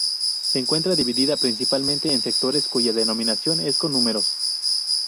Se encuentra divida principalmente en sectores cuya denominación es con números.